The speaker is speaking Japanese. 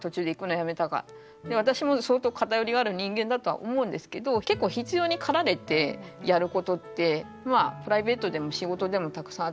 で私も相当偏りがある人間だとは思うんですけど結構必要に駆られてやることってプライベートでも仕事でもたくさんあって。